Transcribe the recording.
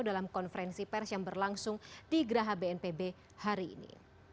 dalam konferensi pers yang berlangsung di geraha bnpb hari ini